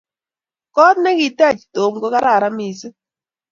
Kot nekitech Tom ko kararan missing